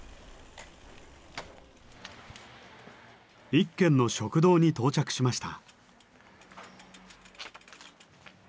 一軒の食堂に到着しました。